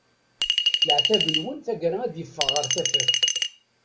Leɛtab-nwen tagara ad yeffeɣ ɣer tafat.